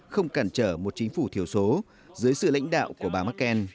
không cản trở một chính phủ thiểu số dưới sự lãnh đạo của bà merkel